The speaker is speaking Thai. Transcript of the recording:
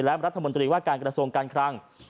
และรัฐมนตรีว่าการกระทรวงการคลัง